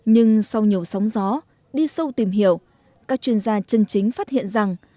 nhưng sau nhiều sóng gió đi sâu tìm hiểu các chuyên gia chân chính phát hiện rằng